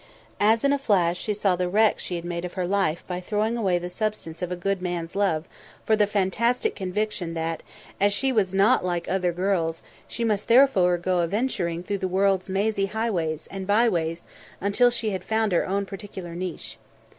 As in a flash she saw the wreck she had made of her life by throwing away the substance of a good man's love for the fantastic conviction that, as she was not as other girls, she must therefore go a venturing through the world's mazy high ways and by ways until she had found her own particular niche.